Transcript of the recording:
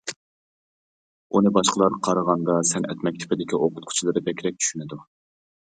ئۇنى باشقىلارغا قارىغاندا سەنئەت مەكتىپىدىكى ئوقۇتقۇچىلىرى بەكرەك چۈشىنىدۇ.